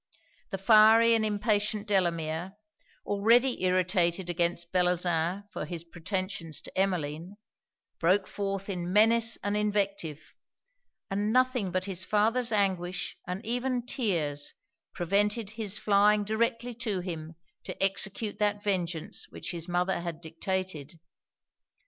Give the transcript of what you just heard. The fiery and impatient Delamere, already irritated against Bellozane for his pretensions to Emmeline, broke forth in menace and invective; and nothing but his father's anguish, and even tears, prevented his flying directly to him to execute that vengeance which his mother had dictated.